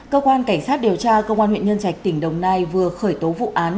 cơ quan cảnh sát điều tra công an huyện nhân trạch tỉnh đồng nai vừa khởi tố vụ án